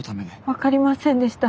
分かりませんでした。